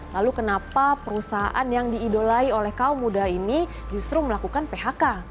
lalu kenapa perusahaan yang diidolai oleh kaum muda ini justru melakukan phk